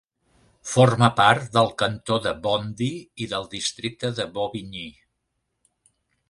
Forma part del cantó de Bondy i del districte de Bobigny.